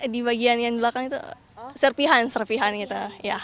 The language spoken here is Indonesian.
di bagian yang belakang itu serpihan serpihan gitu